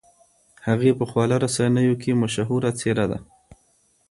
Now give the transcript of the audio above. هغې په خواله رسنیو کې مشهوره څېره ده.